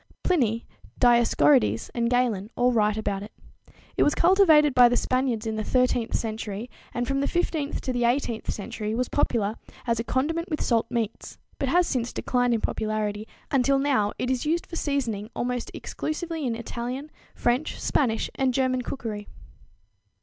Pliny, Dioscorides and Galin all write about it. It was cultivated by the Spaniards in the 13th century, and from the 15th to the 18th century was popular as a condiment with salt meats, but has since declined in popularity, until now it is used for seasoning almost exclusively in Italian, French, Spanish and German cookery.